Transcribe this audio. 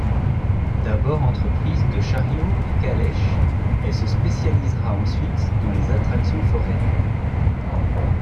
D'abord entreprise de chariots et calèches, elle se spécialisera ensuite dans les attractions foraines.